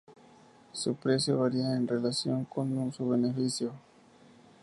Su precio varía en relación con su beneficio.